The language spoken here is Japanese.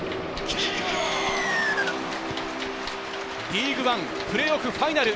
リーグワンプレーオフファイナル。